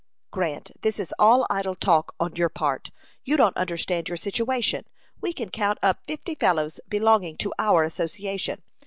"Grant, this is all idle talk on your part. You don't understand your situation. We can count up fifty fellows belonging to our association.